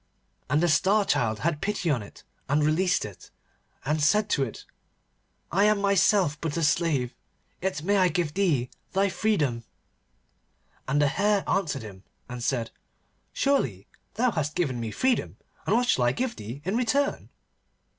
And the Star Child had pity on it, and released it, and said to it, 'I am myself but a slave, yet may I give thee thy freedom.' And the Hare answered him, and said: 'Surely thou hast given me freedom, and what shall I give thee in return?